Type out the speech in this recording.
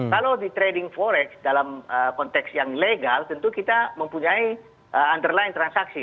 kalau di trading forex dalam konteks yang legal tentu kita mempunyai underline transaksi